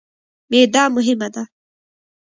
معده مهمه ده.